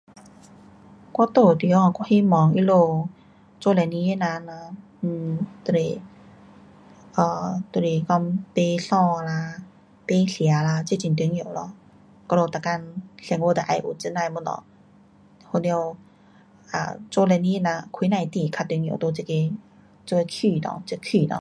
我住的地方，我希望他们做生意的人呐，um 就是，啊，就是讲卖衣啦，卖吃啦，这很重要咯，我们每天生活都要有这那的东西，好了，um 做生意的人开那的店，很重要，在这个，在这区内，这区内。